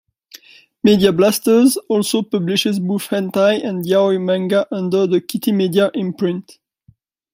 Media Blasters also publishes both hentai and yaoi manga under the Kitty Media imprint.